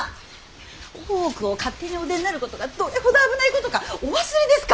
大奥を勝手にお出になることがどれほど危ないことかお忘れですか！